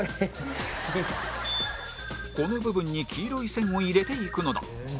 この部分に黄色い線を入れていくのだ